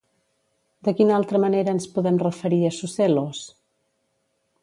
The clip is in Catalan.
De quina altra manera ens podem referir a Sucellos?